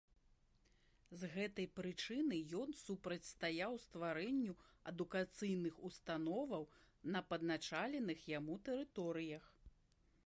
З гэтай прычыны ён супрацьстаяў стварэнню адукацыйных установаў на падначаленых яму тэрыторыях.